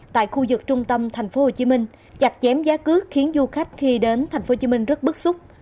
tại khu vực trung tâm tp hcm chặt chém giá cước khiến du khách khi đến tp hcm rất bức xúc